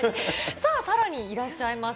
さあ、さらにいらっしゃいます。